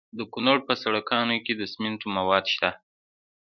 د کونړ په سرکاڼو کې د سمنټو مواد شته.